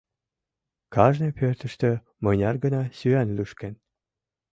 Кажне пӧртыштӧ мыняр гана сӱан лӱшкен.